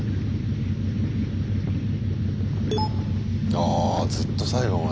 あずっと最後まで。